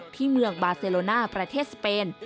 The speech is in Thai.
ที่เมืองบาเซโลน่าประเทศสเปน